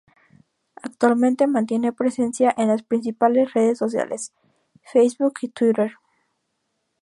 Actualmente mantiene presencia en las principales redes sociales: Facebook y Twitter.